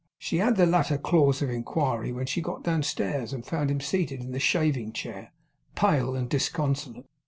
She added the latter clause of inquiry, when she got downstairs, and found him seated in the shaving chair, pale and disconsolate.